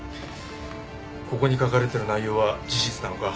ここに書かれてる内容は事実なのか？